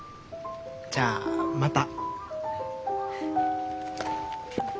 じゃあまた。